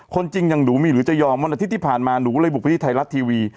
คนจริงยังดูมีหรือจะยอมวันอาทิตย์ที่ผ่านมาหนูเลยบุคพิธีไทยรัสทีวี